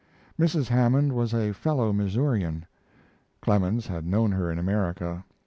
Mrs. Hammond was a fellow Missourian; Clemens had known her in America.